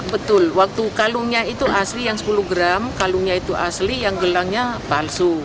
betul waktu kalungnya itu asli yang sepuluh gram kalungnya itu asli yang gelangnya palsu